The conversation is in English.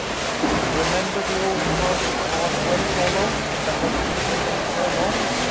" Do you remember the old house at Hart well Hollow that has been vacant so long